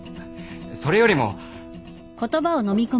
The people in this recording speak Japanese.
それよりも。